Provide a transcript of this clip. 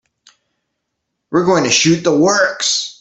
We're going to shoot the works.